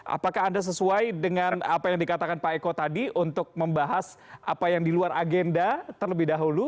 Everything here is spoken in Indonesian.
apakah anda sesuai dengan apa yang dikatakan pak eko tadi untuk membahas apa yang di luar agenda terlebih dahulu